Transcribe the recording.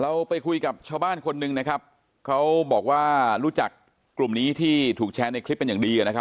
เราไปคุยกับชาวบ้านคนหนึ่งนะครับเขาบอกว่ารู้จักกลุ่มนี้ที่ถูกแชร์ในคลิปเป็นอย่างดีนะครับ